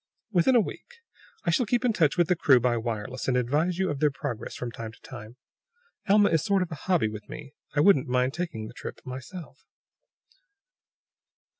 "Within a week. I shall keep in touch with the crew by wireless, and advise you of their progress from time to time. Alma is a sort of a hobby with me; I wouldn't mind taking the trip myself."